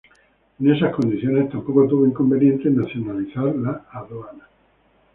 En esas condiciones, tampoco tuvo inconveniente en nacionalizar la Aduana.